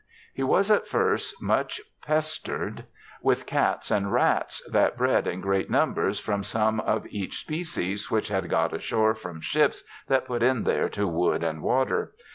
He was at first much pester'd RSPtVP British Privateer. S7 with cats and rats, that bred in great numbers from some of each species which had got ashore from ships that put in there to wood and water.